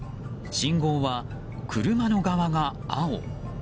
信号は車の側が青。